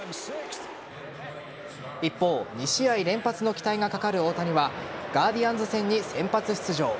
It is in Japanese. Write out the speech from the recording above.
一方２試合連発の期待がかかる大谷はガーディアンズ戦に先発出場。